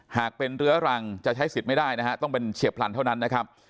หากเป็นเรื้อรังจะใช้สิทธิ์ไม่ได้นะฮะต้องเป็นเฉียบพลันเท่านั้นนะครับ